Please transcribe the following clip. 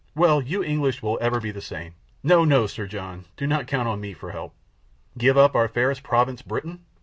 "Well, you English will ever be the same. No, no, Sir John, do not count on me for help. Give up our fairest province, Britain?